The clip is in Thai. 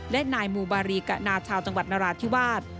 และนายมูบารีกะนาชาวจังหวัดนราธิวาส